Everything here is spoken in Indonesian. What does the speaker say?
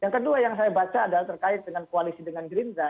yang kedua yang saya baca adalah terkait dengan koalisi dengan gerindra